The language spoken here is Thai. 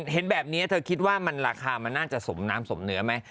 เห็นแบบนี้เธอคิดว่ามันราคามันน่าจะสมน้ำสมเนื้อไหม